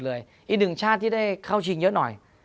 เลยอีก๑ชาติที่ได้เข้าชิงเยอะหน่อย